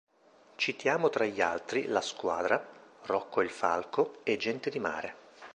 Citiamo, tra gli altri: La squadra, Rocco e il falco e Gente di mare.